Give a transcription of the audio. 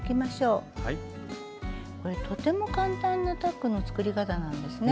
これとても簡単なタックの作り方なんですね。